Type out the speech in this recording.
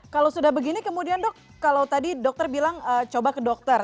kalau sudah begini kemudian dok kalau tadi dokter bilang coba ke dokter